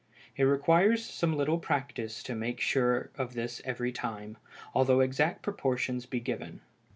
It requires some little practice to make sure of this every time, although exact proportions be given.